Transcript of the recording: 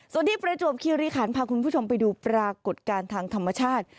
ส่วนที่ประจวบคิริขันพาคุณผู้ชมไปดูปรากฏการณ์ทางธรรมชาติ